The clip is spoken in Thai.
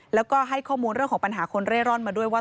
แล้วก็ให้ข้อมูลเรื่องของปัญหาคนเร่ร่อนมาด้วยว่า